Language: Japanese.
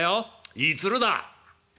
いい鶴だ」。